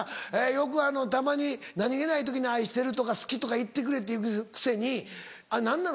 よくたまに何げない時に愛してるとか好きとか言ってくれって言うくせに何なの？